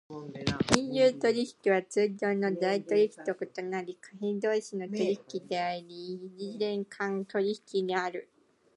金融取引は通常の財取引と異なり、貨幣同士の取引であり、異時点間取引である。